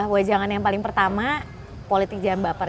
wajangan yang paling pertama politik jangan baper